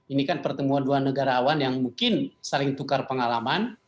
ini kan pertemuan dua negarawan yang mungkin saling tukar pengalaman